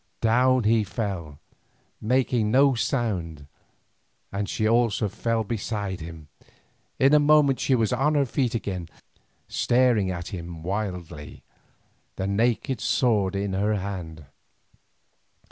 Down he fell, making no sound, and she also fell beside him. In a moment she was on her feet again, staring at him wildly—the naked sword in her hand.